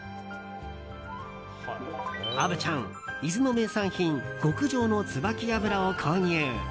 虻ちゃん、伊豆の名産品極上のツバキ油を購入。